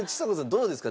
どうですか？